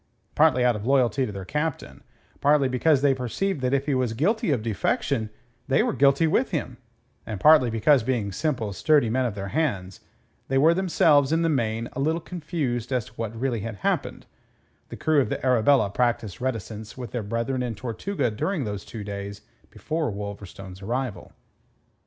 Partly out of loyalty to their captain, partly because they perceived that if he was guilty of defection they were guilty with him, and partly because being simple, sturdy men of their hands, they were themselves in the main a little confused as to what really had happened, the crew of the Arabella practised reticence with their brethren in Tortuga during those two days before Wolverstone's arrival.